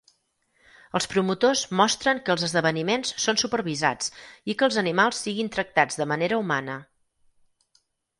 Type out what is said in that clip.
Els promotors mostren que els esdeveniments són supervisats i que els animals siguin tractats de manera humana.